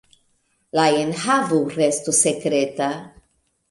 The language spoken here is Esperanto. La enhavo restu sekreta.